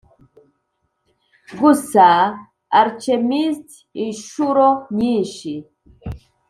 gusa alchemised. inshuro nyinshi